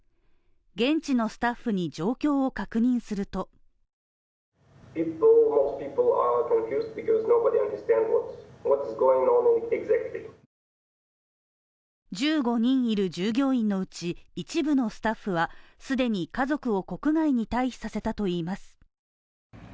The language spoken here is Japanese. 現地のスタッフに状況を確認すると１５人いる従業員のうち、一部のスタッフは既に家族を国外に退避させたといいます。